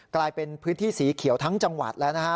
กลายเป็นพื้นที่สีเขียวทั้งจังหวัดแล้วนะฮะ